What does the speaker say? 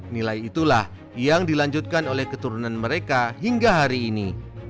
nilai itulah yang dilanjutkan oleh keturunan mereka hingga hari ini